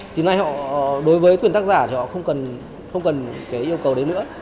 thì nay đối với quyền tác giả thì họ không cần yêu cầu đấy nữa